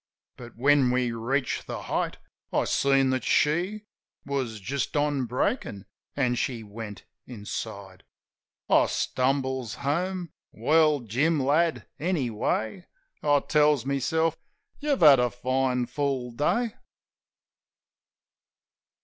But, when we reached "The Height," I seen that she Was just on breakin' ; an' she went inside. ... I stumbles home. "Well, Jim, lad, anyway," I tells myself, "you've had a fine, full day."